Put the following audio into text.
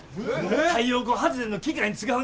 太陽光発電の機械に使うねじや。